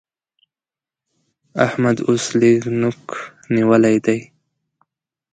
احمد اوس لږ نوک نيول دی